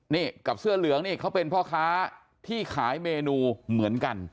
นี่กับเสื้อเหลืองนี่เขาเป็นพ่อค้าที่ขายเมนูเหมือนกัน